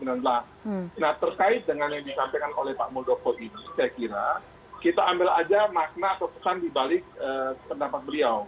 nah terkait dengan yang disampaikan oleh pak muldoko ini saya kira kita ambil aja makna atau pesan dibalik pendapat beliau